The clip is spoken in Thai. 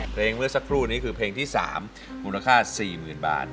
เมื่อสักครู่นี้คือเพลงที่๓มูลค่า๔๐๐๐บาท